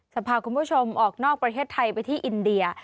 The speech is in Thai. พาคุณผู้ชมออกนอกประเทศไทยไปที่อินเดีย